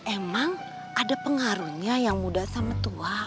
emang ada pengaruhnya yang muda sama tua